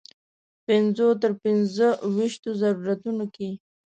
پنځو تر پنځه ویشتو ضرورتونو کې.